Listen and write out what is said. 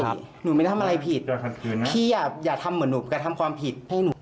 ใช่หนูไม่ได้ทำอะไรผิดพี่อย่าทำเหมือนหนูอย่าทำความผิด